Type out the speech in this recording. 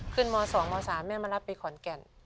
ม๒ม๓แม่มารับไปขอนแก่น